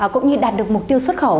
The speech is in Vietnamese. cũng như đạt được mục tiêu xuất khẩu